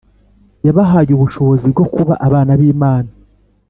yabahaye ubushobozi bwo kuba abana b'Imana.